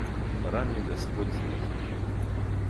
Пора мне господ знать.